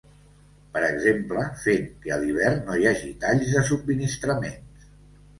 Per exemple, fent que a l’hivern no hi hagi talls de subministraments.